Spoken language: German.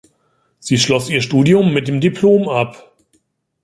Sie schloss ihr Studium mit dem Diplom ab.